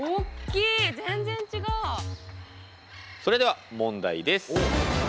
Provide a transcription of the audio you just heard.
それでは問題です。